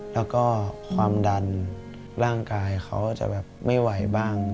แล้วก็ความดันร่างกายเขาจะแบบไม่ไหวบ้าง